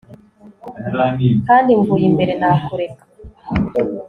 Kandi mvuye imbere nakureka